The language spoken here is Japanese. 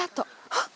あっ！